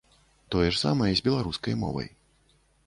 Тое ж самае з беларускай мовай.